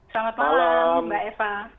salam malam mbak eva